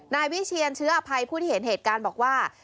นายวิเชียนเชื้ออภัยผู้ที่เห็นเหตุการณ์บอกว่า